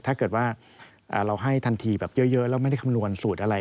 ถ้าเกิดว่าเราให้ทันทีแบบเยอะแล้วไม่ได้คำนวณสูตรอะไร